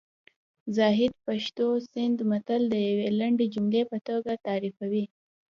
زاهد پښتو سیند متل د یوې لنډې جملې په توګه تعریفوي